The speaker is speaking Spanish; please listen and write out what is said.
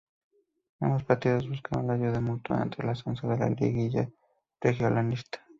Ambos partidos buscaron la ayuda mutua ante el ascenso de la Lliga Regionalista.